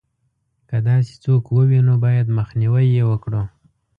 که داسې څوک ووینو باید مخنیوی یې وکړو.